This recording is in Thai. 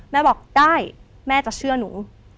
แม่บอกได้แม่จะเชื่อหนู